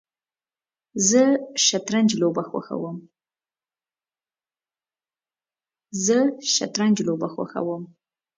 زه شطرنج لوبه خوښوم